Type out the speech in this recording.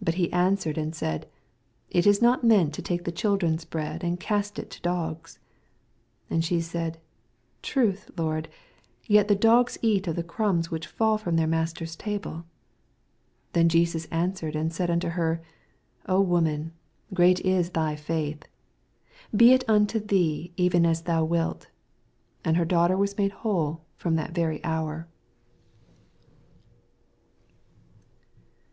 26 Bat he answered and said. It is not meet to take the children's bread, and to oast U to doffs. 27 And she said. Truth, Lord : yet the doffs eat of the crumbs which ndl from tneir master's table. 2S Then Jesus answered and said unto her, O woman, great it thy £uth : be it unto thee even as thou wilt. And her daughter was made whole from that very hour.